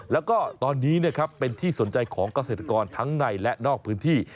แล้วก็ตอนนี้นะครับเป็นที่สนใจของเกษตรกรทั้งในและนอกพื้นที่